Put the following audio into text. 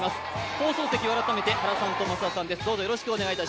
放送席改めて原さんと増田さんです。